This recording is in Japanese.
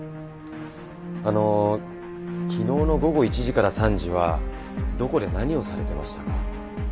あの昨日の午後１時から３時はどこで何をされてましたか？